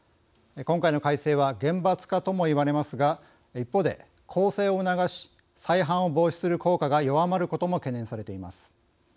今回の改正は厳罰化とも言われますが一方で、更生を促し再犯を防止する効果が弱まることも懸念されています。